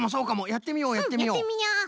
やってみようやってみよう。